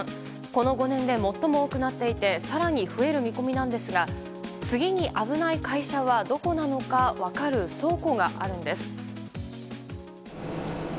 この５年で最も多くなっていて更に増える見込みなんですが次に危ない会社はどこなのか分かる倉庫があるんです。